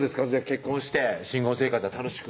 結婚して新婚生活は楽しく？